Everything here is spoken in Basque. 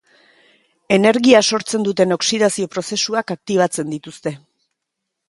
Energia sortzen duten oxidazio-prozesuak aktibatzen dituzte.